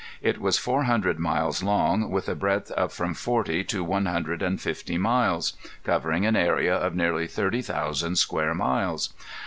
It was four hundred miles long, with a breadth of from forty to one hundred and fifty miles, covering an area of nearly thirty thousand square miles.